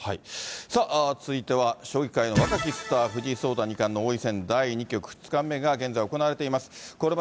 さあ、続いては将棋界の若きスター、藤井聡太二冠の王位戦、第２局戦が現在、行われています。